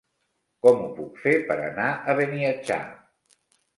Com ho puc fer per anar a Beniatjar?